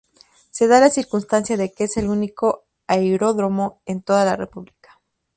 Se da la circunstancia de que es el único aeródromo en toda la república.